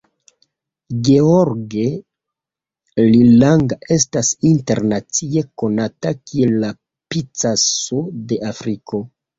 George Lilanga estas internacie konata kiel "la Picasso de Afriko".